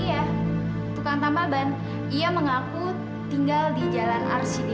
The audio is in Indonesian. iya tukang tambal ban ia mengaku tinggal di jalan arsidil